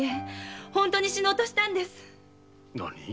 何？